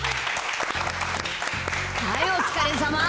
はい、お疲れさま。